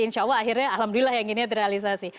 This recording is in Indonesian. insya allah akhirnya alhamdulillah yang ini terrealisasi